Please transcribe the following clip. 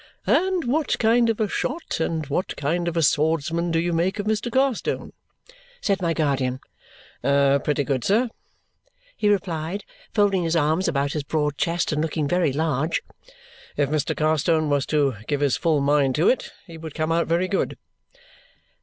"And what kind of a shot and what kind of a swordsman do you make of Mr. Carstone?" said my guardian. "Pretty good, sir," he replied, folding his arms upon his broad chest and looking very large. "If Mr. Carstone was to give his full mind to it, he would come out very good."